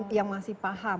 yang masih paham